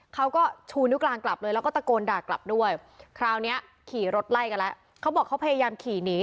เขาก็ชูนิ้วกลางกลับเลยแล้วก็ตะโกนด่ากลับด้วยคราวนี้ขี่รถไล่กันแล้วเขาบอกเขาพยายามขี่หนี